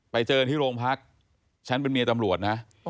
ไปเจอที่โรงพักฉันเป็นเมียตำรวจนะ